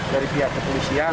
dari pihak kepolisian